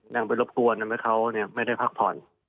นั่งไปรบกวนทำให้เขาไม่ได้พักผ่อน